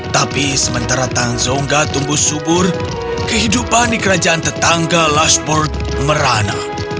tapi sementara tanzonga tumbuh subur kehidupan di kerajaan tetangga lashburg merana